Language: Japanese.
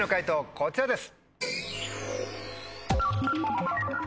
こちらです。